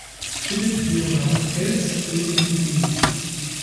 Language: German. Philip Leonhard Kelz lebt in Wien.